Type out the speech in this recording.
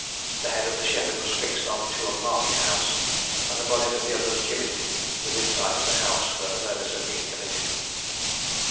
The head of the shepherd was fixed on Tuam market house, and the bodies of the others gibbeted within sight of the house where the murders had been committed.